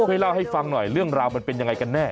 ช่วยเล่าให้ฟังหน่อยเรื่องราวมันเป็นยังไงกันแน่